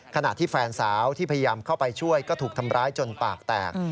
ขณะที่แฟนสาวที่พยายามเข้าไปช่วยก็ถูกทำร้ายจนปากแตก